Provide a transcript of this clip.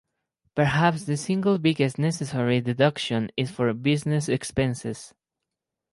Perhaps the single biggest necessary deduction is for business expenses.